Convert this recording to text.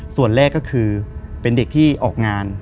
ส่วนแรกก็คือเป็นเด็กที่ออกงาน